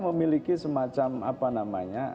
memiliki semacam apa namanya